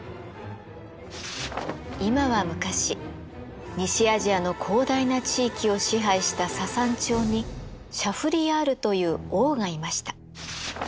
今は昔西アジアの広大な地域を支配したササン朝にシャフリヤールという王がいました。